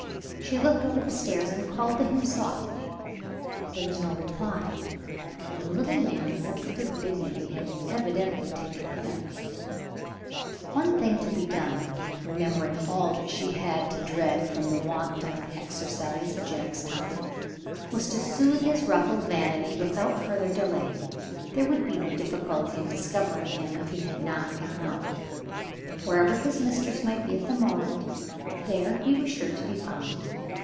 She looked over the stairs, and called to him softly. There was no reply; the little man's sensitive dignity had evidently taken offense. The one thing to be done (remembering all that she had to dread from the wanton exercise of Jack's tongue) was to soothe his ruffled vanity without further delay. There would be no difficulty in discovering him, if he had not gone out. Wherever his Mistress might be at the moment, there he was sure to be found.